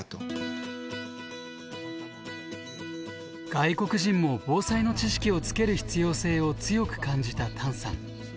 外国人も防災の知識をつける必要性を強く感じた譚さん。